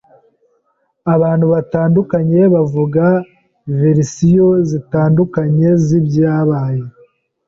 Abantu batandukanye bavuga verisiyo zitandukanye zibyabaye.